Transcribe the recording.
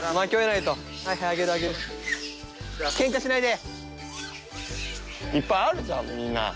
いっぱいあるじゃんみんな。